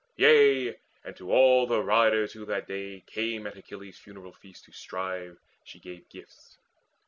Yea, and to all the riders who that day Came at Achilles' funeral feast to strive She gave gifts.